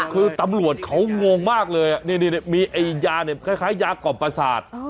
คือตำรวจเขางงมากเลยนี่มียาเนี่ยคล้ายยากล่อมประสาท